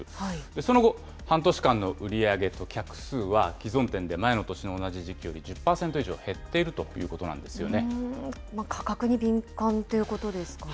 その後、半年間の売り上げと客数は、既存店で前の年の同じ時期より１０％以上減っているということな価格に敏感ということですかね。